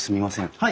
はい。